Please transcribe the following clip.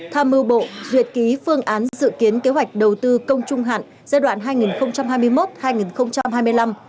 tham mưu bộ duyệt ký phương án dự kiến kế hoạch đầu tư công trung hạn giai đoạn hai nghìn hai mươi một hai nghìn hai mươi năm